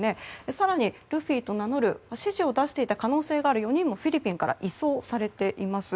更に、ルフィと名乗る指示を出していた可能性がある４人もフィリピンから移送されています。